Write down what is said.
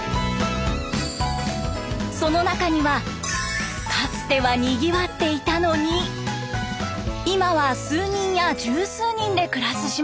その中にはかつてはにぎわっていたのに今は数人や十数人で暮らす島も。